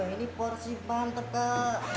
ini porsi pampet kak